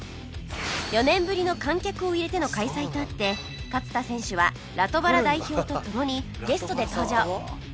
４年ぶりの観客を入れての開催とあって勝田選手はラトバラ代表と共にゲストで登場